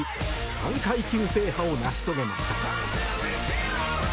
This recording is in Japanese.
３階級制覇を成し遂げました。